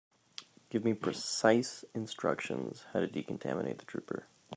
Give me precise instructions how to decontaminate the trooper.